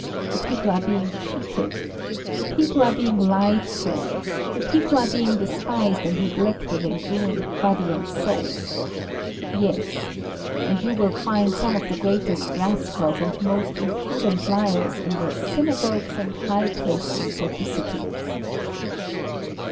The people are being cheated. The people are being lied to. The people are being despised and neglected and ruined body and soul. Yes. And you will find some of the greatest rascals and most impudent liars in the "Synagogues and High Places" of the cities.